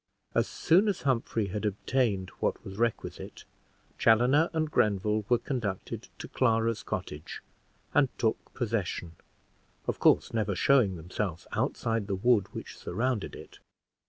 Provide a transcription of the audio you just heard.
As soon as Humphrey had obtained what was requisite, Chaloner and Grenville were conducted to Clara's cottage, and took possession, of course never showing themselves outside the wood which surrounded it.